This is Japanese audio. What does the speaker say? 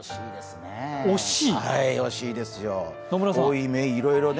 惜しいですね。